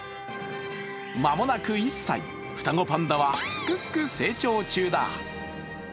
間もなく１歳、双子パンダはすくすく成長中だ。